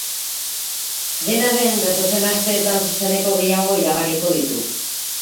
Dena den, datozen asteetan zuzeneko gehiago iragarriko ditu.